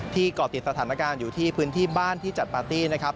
ก่อติดสถานการณ์อยู่ที่พื้นที่บ้านที่จัดปาร์ตี้นะครับ